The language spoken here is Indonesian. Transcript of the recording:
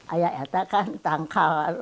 ayah kata kan tangkal